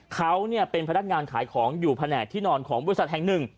เขาเป็นพนักงานขายของอยู่แผนกที่นอนของบริษัทแห่งหนึ่ง